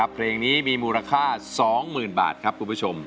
เพลงนี้มีมูลค่า๒๐๐๐บาทครับคุณผู้ชม